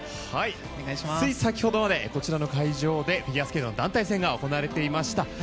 つい先ほどまでこちらの会場でフィギュアスケートの団体戦が行われていました。